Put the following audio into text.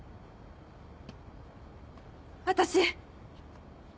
私。